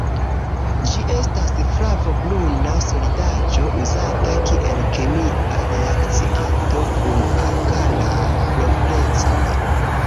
Ĝi estas flavo-bruna solidaĵo uzata kiel kemia reakcianto kun alkalaj proprecoj.